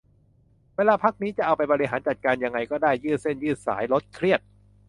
เวลาพักนี้จะเอาไปบริหารจัดการยังไงก็ได้ ยืดเส้นยืดสาย ลดเครียด